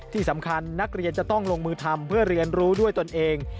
ที่สำคัญนักเรียนจะต้องลงมือทำเพื่อเรียนรู้ด้วยตนเอง